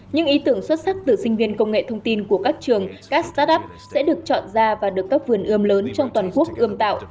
những ý tưởng xuất sắc từ sinh viên công nghệ thông tin của các trường các start up sẽ được chọn ra và được các vườn ươm lớn trong toàn quốc ươm tạo